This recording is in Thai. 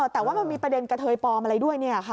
แต่ว่ามันมีประเด็นกระเทยปลอมอะไรด้วย